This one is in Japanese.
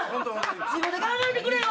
自分で考えてくれよ！